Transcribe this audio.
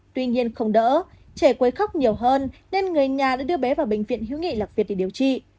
tuy nhiên không đỡ trẻ quấy khóc nhiều hơn nên người nhà đã đưa bé vào bệnh viện hiếu nghị lạc việt để điều trị